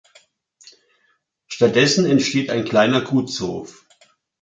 Stattdessen entsteht ein kleiner Gutshof.